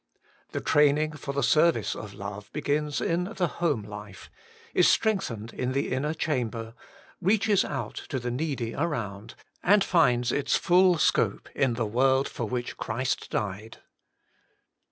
3. The training for the service of love begins in the home life ; is strengthened in the inner chamber ; reaches out to the needy around, and finds its full scope in the world for which Christ died.